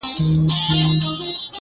• ويني ته مه څښه اوبه وڅښه.